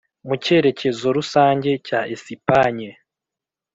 mu cyerekezo rusange cya esipanye. '